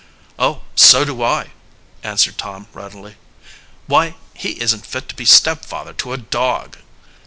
"Oh, so do I," answered Tom readily. "Why, he isn't fit to be stepfather to a dog!"